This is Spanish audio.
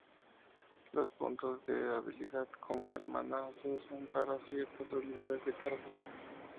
Los puntos de habilidad, como el maná, se usan para ciertas habilidades de clase.